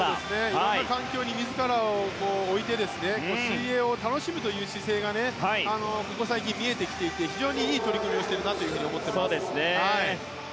いろんな環境に自らを置いて水泳を楽しむ姿勢がここ最近、見えてきていて非常にいい取り組みをしているなと思います。